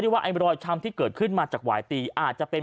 ว่าไอ้รอยช้ำที่เกิดขึ้นมาจากหวายตีอาจจะเป็น